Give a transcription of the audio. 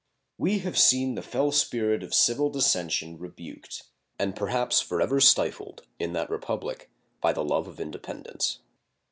We have seen the fell spirit of civil dissension rebuked, and perhaps for ever stifled, in that Republic by the love of independence.